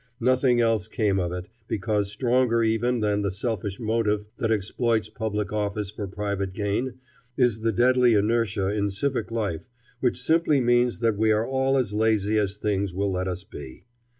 Nothing else came of it, because stronger even than the selfish motive that exploits public office for private gain is the deadly inertia in civic life which simply means that we are all as lazy as things will let us be.